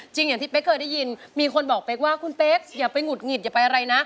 อย่างที่เป๊กเคยได้ยินมีคนบอกเป๊กว่าคุณเป๊กอย่าไปหุดหงิดอย่าไปอะไรนะ